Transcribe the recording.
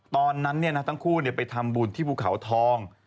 ตอนนั้นทั้งคู่ไปทำบุญที่ภูเขาทอง